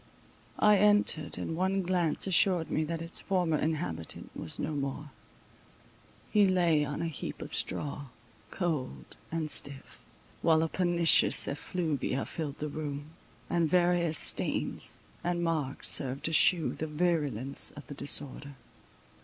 I entered, and one glance assured me that its former inhabitant was no more—he lay on a heap of straw, cold and stiff; while a pernicious effluvia filled the room, and various stains and marks served to shew the virulence of the disorder.